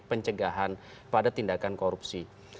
pencegahan pada tindakan korupsi